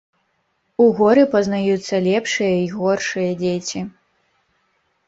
У горы пазнаюцца лепшыя й горшыя дзеці.